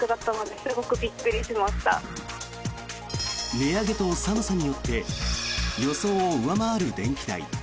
値上げと寒さによって予想を上回る電気代。